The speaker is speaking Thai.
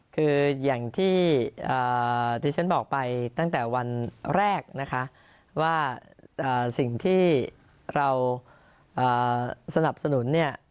คืออย่างที่ที่ฉันบอกไปตั้งแต่วันแรกนะคะว่าสิ่งที่เราสนับสนุนเนี่ย